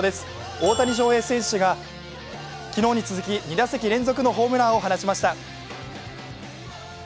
大谷翔平選手が昨日に続き２打席連続のホームランを放ちました。